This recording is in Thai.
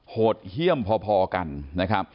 โหดเยี่ยมพอกันนะครับ